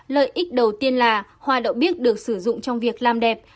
lợi ích đầu tiên là hoa đậu bích được sử dụng trong việc làm đẹp